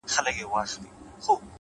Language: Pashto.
هدف لرونکی ژوند ګډوډۍ ته ځای نه پرېږدي’